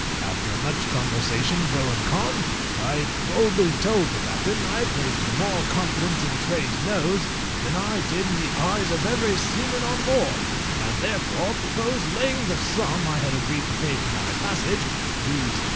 After much conversation pro and con, I boldly told the captain I placed more confidence in Tray's nose than I did in the eyes of every seaman on board, and therefore proposed laying the sum I had agreed to pay for my passage (viz.